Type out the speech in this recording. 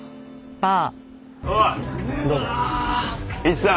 ああ？